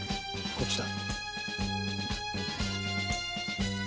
こっちだ。